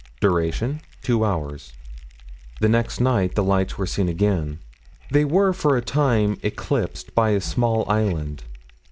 Duration two hours. The next night the lights were seen again. They were, for a time, eclipsed by a small island.